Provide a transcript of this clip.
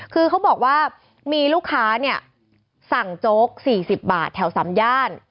คือเขาบอกว่ามีลูกค้าเนี่ยสั่งโจ๊ก๔๐บาทแถว๓ย่าน